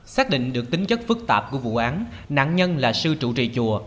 xác định được tính chất phức tạp của vụ án nạn nhân là sư trụ trì chùa